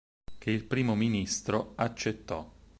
Che il primo ministro, accettò.